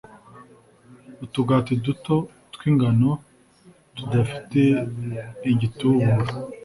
Utugati duto twingano tudafite igitubura